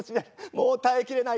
もう耐えきれない。